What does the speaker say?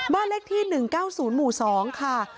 บ้านเลขที่๑๙๐หมู่๒ค่ะ